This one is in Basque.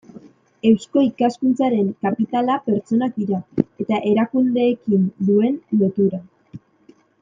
Eusko Ikaskuntzaren kapitala pertsonak dira eta erakundeekin duen lotura.